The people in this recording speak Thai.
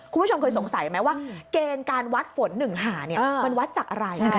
คุณผู้ชมเคยสงสัยไหมว่าเกณฑ์การวัดฝน๑หามันวัดจากอะไร